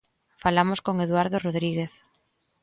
Falamos con Eduardo Rodríguez.